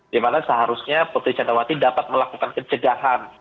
dimana seharusnya putri candrawati dapat melakukan pencegahan